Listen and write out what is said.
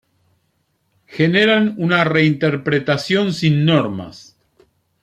Generan una reinterpretación, sin normas.